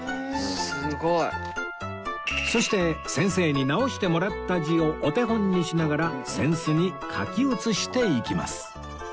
そして先生に直してもらった字をお手本にしながら扇子に書き写していきます